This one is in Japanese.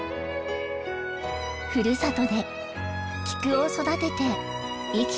ふるさとでキクを育てて生きていく。